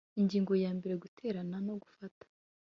Ingingo ya mbere Guterana no gufata